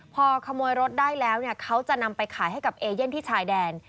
พอขโมยรถได้แล้วเขาจะนำไปขายให้กับเอเย่นที่ชายแดน